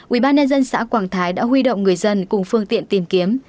ubnd xã quảng thái đã huy động người dân cùng phương tiện tìm kiếm